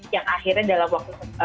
yang akhirnya dalam waktu